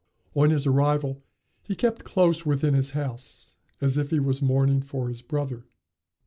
On his arrival he kept close within his house, as if he was mourning for his brother.